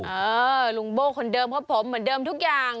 เออลุงโบ้คนเดิมเพราะผมเหมือนเดิมทุกอย่าง